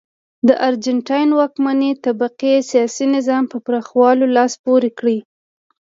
د ارجنټاین واکمنې طبقې سیاسي نظام په پراخولو لاس پورې کړ.